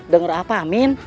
denger apa amin